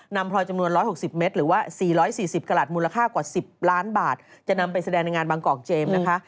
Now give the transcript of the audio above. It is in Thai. พลอยจำนวน๑๖๐เมตรหรือว่า๔๔๐กระหลัดมูลค่ากว่า๑๐ล้านบาทจะนำไปแสดงในงานบางกอกเจมส์นะคะ